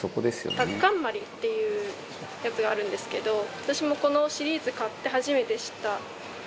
タッカンマリっていうやつがあるんですけど私もこのシリーズ買って初めて知った料理の部類。